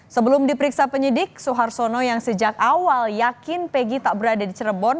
sebelum diperiksa penyidik suhartono yang sejak awal yakin pegi tak berada di cirebon